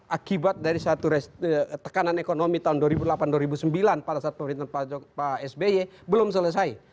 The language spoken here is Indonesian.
akibat dari satu tekanan ekonomi tahun dua ribu delapan dua ribu sembilan pada saat pemerintahan pak sby belum selesai